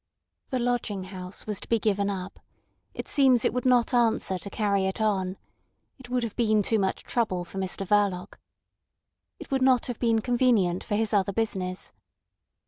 The lodging house was to be given up. It seems it would not answer to carry it on. It would have been too much trouble for Mr Verloc. It would not have been convenient for his other business.